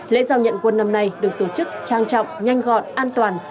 lễ giao nhận quân năm nay được tổ chức trang trọng nhanh gọn an toàn